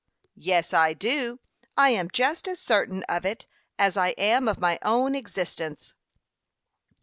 "Yes, I do; I am just as certain of it as I am of my own existence."